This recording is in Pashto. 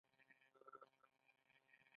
او په خپل اقتصاد.